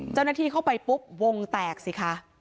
เจ้าหน้าที่เข้าไปปุ๊บวงแตกสิคะ